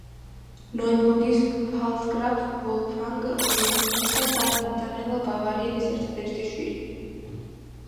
ნოიბურგის პფალცგრაფ ვოლფგანგ ვილჰელმისა და მაგდალენა ბავარიელის ერთადერთი შვილი.